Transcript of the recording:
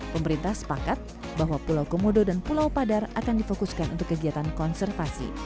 pemerintah sepakat bahwa pulau komodo dan pulau padar akan difokuskan untuk kegiatan konservasi